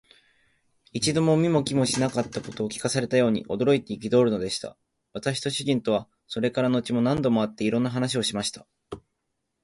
一度も見も聞きもしなかったことを聞かされたように、驚いて憤るのでした。私と主人とは、それから後も何度も会って、いろんな話をしました。